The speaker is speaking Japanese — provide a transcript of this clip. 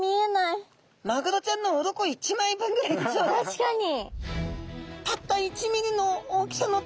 確かに。